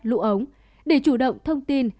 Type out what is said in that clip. lũ ống để chủ động thông tin